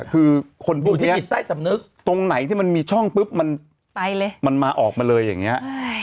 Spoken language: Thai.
คือคนบุตรนี้ตรงไหนที่มันมีช่องปุ๊บมันมาออกมาเลยอย่างนี้